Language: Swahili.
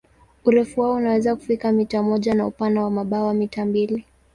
Urefu wao unaweza kufika mita moja na upana wa mabawa mita mbili.